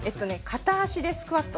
片足でスクワット。